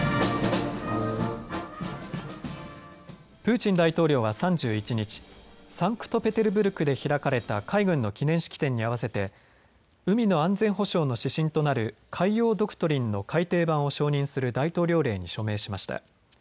プーチン大統領は３１日、サンクトペテルブルクで開かれた海軍の記念式典に合わせて海の安全保障の指針となる海洋ドクトリンの改訂版を承認する大統領令に署名しました。